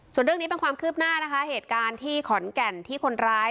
ส่วนเรื่องนี้เป็นความคืบหน้านะคะเหตุการณ์ที่ขอนแก่นที่คนร้าย